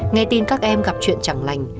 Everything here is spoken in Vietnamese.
nghe tin các em gặp chuyện chẳng lành